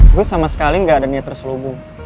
gue sama sekali nggak ada niat terselubung